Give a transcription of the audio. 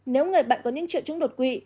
nếu người bệnh có những triệu chứng đột quỵ